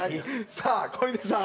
さあ小出さん。